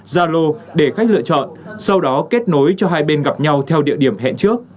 zalo để khách lựa chọn sau đó kết nối cho hai bên gặp nhau theo địa điểm hẹn trước